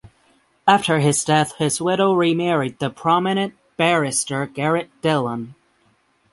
After his death his widow remarried the prominent barrister Garrett Dillon.